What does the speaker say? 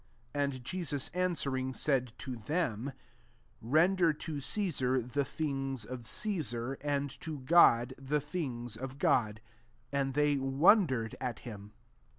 17 And Jesus answering, said to them, " Render to Cesar, the things of Cesar, and to God, the things of God.*' And they wandered at him.